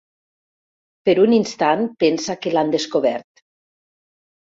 Per un instant pensa que l'han descobert.